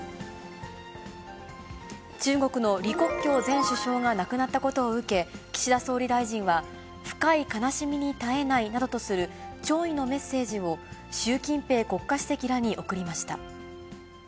中国の李克強前首相が亡くなったことを受け、岸田総理大臣は深い悲しみにたえないなどとする弔意のメッセージを、習近平国家主席らに送りました。